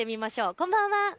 こんばんは。